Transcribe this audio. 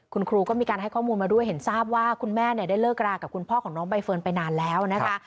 คุณครูก็มีการให้ข้อมูลมาด้วยเห็นทราบว่าคุณแม่เนี่ยได้เลิกรากับคุณพ่อของน้องใบเฟิร์นไปนานแล้วนะคะ